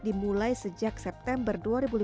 dimulai sejak september dua ribu lima belas